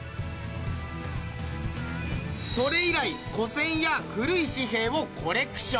それ以来古銭や古い紙幣をコレクション。